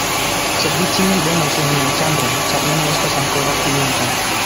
Sed vi ĉiuj venos en mian ĉambron, ĉar mi ne estas ankoraŭ fininta.